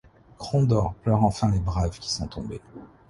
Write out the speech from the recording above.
Krondor pleure enfin les braves qui sont tombés.